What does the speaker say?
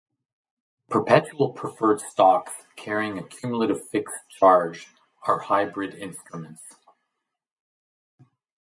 Perpetual preferred stocks carrying a cumulative fixed charge are hybrid instruments.